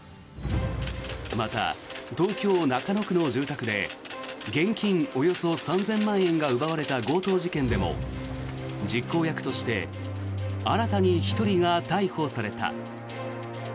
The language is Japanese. また、東京・中野区の住宅で現金およそ３０００万円が奪われた強盗事件でも実行役として新たに１人が逮捕された。